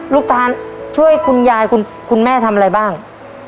ตานช่วยคุณยายคุณแม่ทำอะไรบ้าง